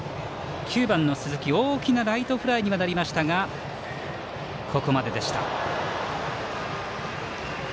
９番の鈴木大きなライトフライになりましたが、ここまででした。